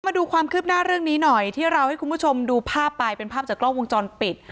มาดูความคืบหน้าเรื่องนี้หน่อยที่เราให้คุณผู้ชมดูภาพไปเป็นภาพจากกล้องวงจรปิด